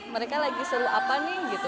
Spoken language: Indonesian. mereka lagi selu apa nih